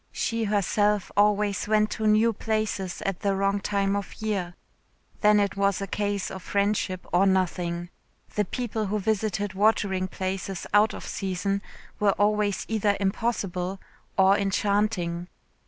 She herself always went to new places at the wrong time of year. Then it was a case of friendship, or nothing. The people who visited watering places out of season were always either impossible or enchanting.